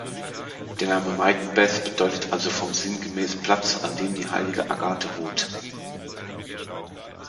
Der Name Maitenbeth bedeutet also von sinngemäß „Platz an dem die heilige Agathe ruht“.